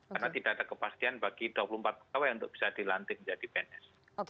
karena tidak ada kepastian bagi dua puluh empat pegawai yang bisa dilantik menjadi pns